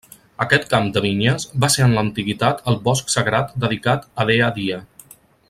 Aquest camp de vinyes va ser en l'antiguitat el bosc sagrat dedicat a Dea Dia.